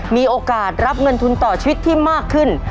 มีโอกาสรับเงินทุนต่อชีวิตที่มากขึ้น